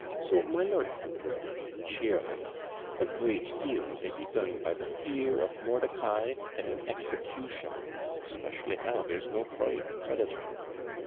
So, my Lord Clonbrony, cheer up; a great deal may be done by the fear of Mordicai, and an execution, especially now the prior creditor.